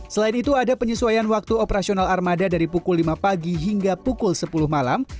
selain itu ada penyesuaian waktu operasional armada dari pukul lima pagi hingga pukul sepuluh malam